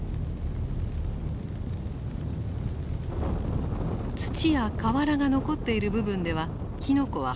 土や瓦が残っている部分では火の粉ははじかれている。